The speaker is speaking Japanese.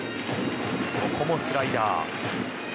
ここもスライダー。